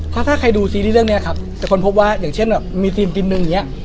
ถ้าถ้าใครดูซีรีส์เรื่องนี้ครับแต่คนพบว่าอย่างเช่นแบบมีทีมทีมหนึ่งอย่างนี้